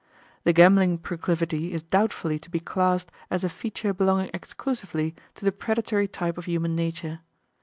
The gambling proclivity is doubtfully to be classed as a feature belonging exclusively to the predatory type of human nature.